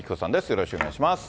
よろしくお願いします。